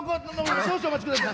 少々お待ち下さい！